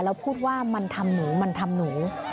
แล้วพูดว่ามันทำหนูมันทำหนู